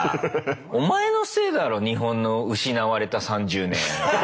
お前のせいだろ日本の失われた３０年。